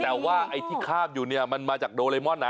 แต่ว่าไอ้ที่คาบอยู่เนี่ยมันมาจากโดเรมอน